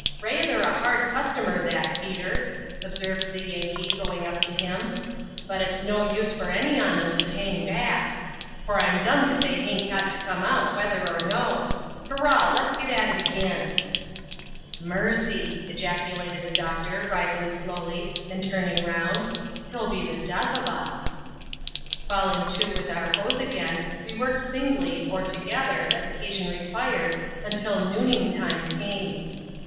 '^Bayther a hard customer, that, Peter," observed the Yankee, going up to him: ""but y!^uo\3L"afci»t wi^ QBL^<Bss^\ii CBAP. un.] FARMING IN POLYNESIA^ 207 lumg back ; for, Fm dumned if they haint got to come out, whether or na Hurrah ! let's get at it agin !^ "Mercy!" ejaculated the doctor, rising slowly, and turning round. '* Hell be the death of us !" Falling to with our hoee again, we worked singly, or together, as occasion required, until " Nooning Time" came.